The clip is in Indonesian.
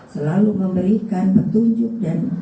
selalu memberikan petunjuk dan